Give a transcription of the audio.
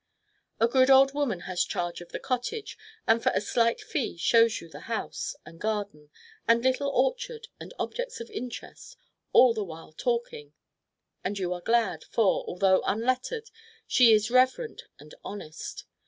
A good old woman has charge of the cottage, and for a slight fee shows you the house and garden and little orchard and objects of interest, all the while talking: and you are glad, for, although unlettered, she is reverent and honest.